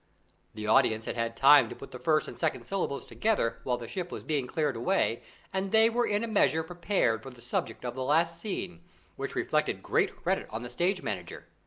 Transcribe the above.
The audience had had time to put the first and second syllables together while the ship was being cleared away, and they were in a measure prepared for the subject of the last scene, which reflected great credit on the stage manager.